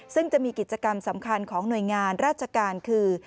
ซึ่งจะมีกิจกรรมสำคัญของหน่วยงานราชการคือ